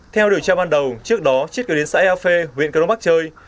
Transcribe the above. theo điều tra ban đầu trước đó chiết kêu đến xã ea phê huyện cơ đông bắc chơi